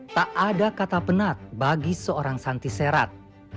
tak ada kata penat bagi seorang santi serat